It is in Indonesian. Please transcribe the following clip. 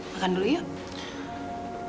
makan dulu yuk